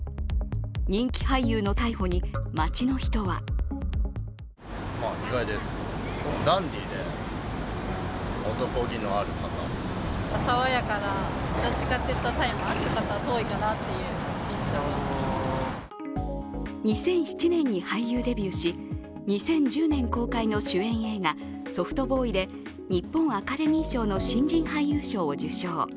人気俳優の逮捕に街の人は２００７年に俳優デビューし２０１０年公開の主演映画「ソフトボーイ」で日本アカデミー賞の新人俳優賞を受賞。